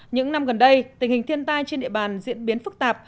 những năm gần đây tình hình thiên tai trên địa bàn diễn biến phức tạp